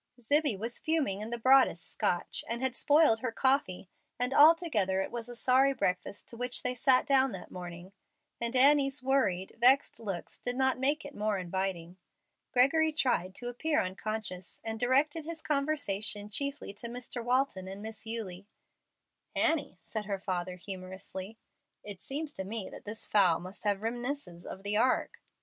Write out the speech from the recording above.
Zibbie was fuming in the broadest Scotch, and had spoiled her coffee, and altogether it was a sorry breakfast to which they sat down that morning; and Annie's worried, vexed looks did not make it more inviting. Gregory tried to appear unconscious, and directed his conversation chiefly to Mr. Walton and Miss Eulie. "Annie," said her father, humorously, "it seems to me that this fowl must have reminiscences of the ark."